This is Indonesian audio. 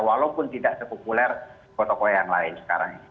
walaupun tidak sepopuler kota kota yang lain sekarang